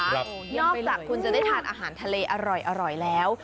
นอกจากคุณจะได้ทานอาหารทะเลอร่อยแล้ว